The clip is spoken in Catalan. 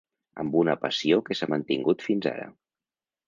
Amb una passió que s’ha mantingut fins ara.